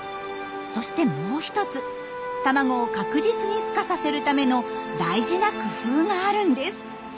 そしてもう一つ卵を確実にふ化させるための大事な工夫があるんです。